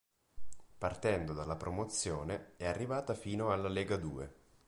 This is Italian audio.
Partendo dalla Promozione è arrivata fino alla Legadue.